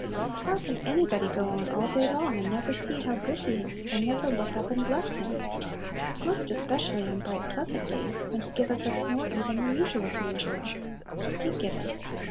How can anybody go on all day long, and never see how good He is, and never look up and bless Him? Most especially on bright pleasant days, when He giveth us more even than usual to enjoy! "He giveth."